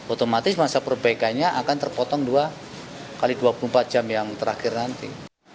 otomatis masa perbaikannya akan terpotong dua x dua puluh empat jam yang terakhir nanti